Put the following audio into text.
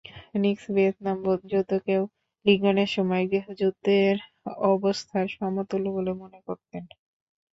Nixon Vietnam যুদ্ধকেও লিঙ্কনের সময়ের গৃহযুদ্ধের অবস্থার সমতুল্য বলে মনে করতেন।